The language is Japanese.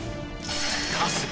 春日